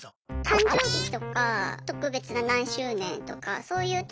誕生日とか特別な何周年とかそういうときに５万円。